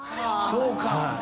そうか。